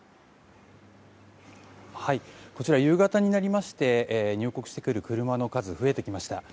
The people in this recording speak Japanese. こちら夕方になりまして入国してくる車の数増えてきました。